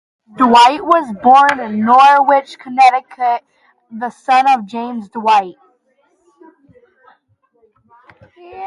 Dwight was born in Norwich, Connecticut, the son of James Dwight.